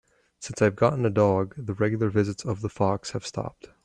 Since I've gotten a dog, the regular visits of the fox have stopped.